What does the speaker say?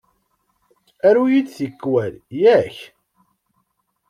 Aru-yi-d tikwal, yak?